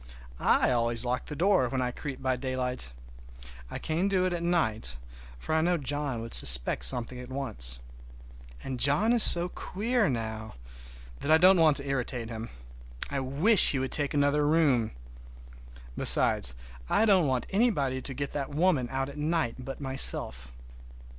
I always lock the door when I creep by daylight. I can't do it at night, for I know John would suspect something at once. And John is so queer now, that I don't want to irritate him. I wish he would take another room! Besides, I don't want anybody to get that woman out at night but myself.